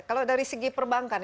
kalau dari segi perbankan